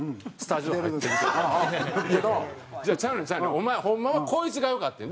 お前ホンマはこいつがよかってん」